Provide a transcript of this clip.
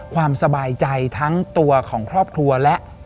ความสบายใจทั้งตัวของครอบครัวและ